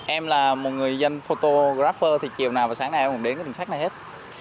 em là một người dân photographer thì chiều nào và sáng nay em cũng đến cái đường sách này hết